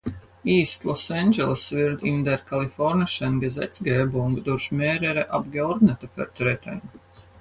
East Los Angeles wird in der kalifornischen Gesetzgebung durch mehrere Abgeordnete vertreten.